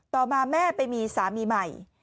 ต่อมาแม่ไปมีสามีใหม่